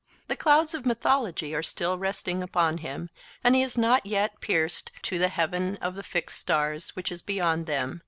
The clouds of mythology are still resting upon him, and he has not yet pierced 'to the heaven of the fixed stars' which is beyond them.